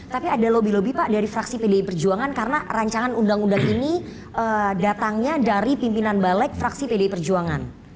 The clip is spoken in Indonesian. tapi ada lobby lobby pak dari fraksi pdi perjuangan karena rancangan undang undang ini datangnya dari pimpinan balik fraksi pdi perjuangan